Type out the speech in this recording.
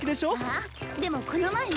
あっでもこの前み。